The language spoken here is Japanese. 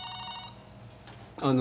・☎あの。